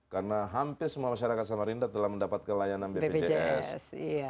karena hampir semua masyarakat samarinda telah mendapatkan layanan bpjs